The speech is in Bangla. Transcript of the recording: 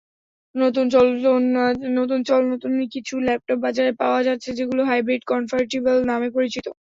নতুন চলনতুন কিছু ল্যাপটপ বাজারে পাওয়া যাচ্ছে, যেগুলো হাইব্রিড কনভার্টিবল নামে পরিচিত।